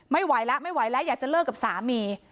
ไม่ไหวแล้วไม่ไหวแล้วอยากจะเลิกกับสามี